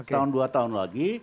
tahun dua tahun lagi